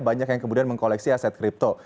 banyak yang kemudian mengkoleksi aset kripto